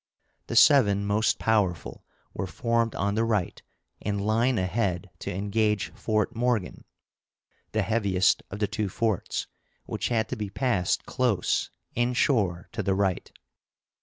The seven most powerful were formed on the right, in line ahead, to engage Fort Morgan, the heaviest of the two forts, which had to be passed close inshore to the right.